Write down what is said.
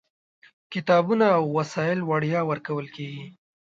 کتابونه او وسایل وړیا ورکول کېدل.